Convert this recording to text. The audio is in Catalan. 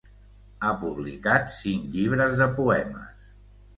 Ha publicat cinc llibres de poemes.